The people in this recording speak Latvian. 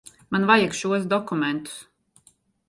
Man vajag šos dokumentus.